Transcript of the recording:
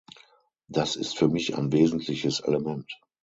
Das ist für mich ein wesentliches Element.